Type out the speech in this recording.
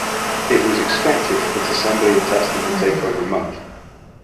It was expected that assembly and testing would take over a month.